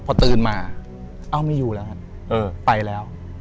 พอตื่นมาเอ้าไม่อยู่แล้วครับเออไปแล้ว